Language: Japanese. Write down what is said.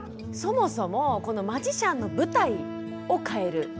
そもそもこのマジシャンの舞台を変える。